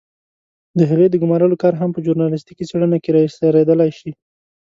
د هغې د ګمارلو کار هم په ژورنالستيکي څېړنه کې را اېسارېدلای شي.